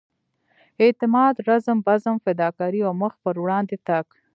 اعتماد رزم بزم فداکارۍ او مخ پر وړاندې تګ.